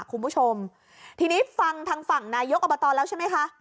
คุณผู้ชมทีนี้ฟังทางฝั่งนายกอบตแล้วใช่ไหมคะ